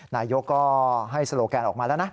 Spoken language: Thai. นายกก็ให้โลแกนออกมาแล้วนะ